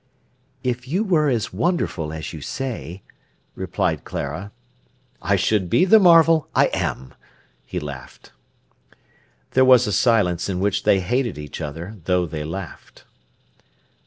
"If you were as wonderful as you say—," replied Clara. "I should be the marvel I am," he laughed. There was a silence in which they hated each other, though they laughed.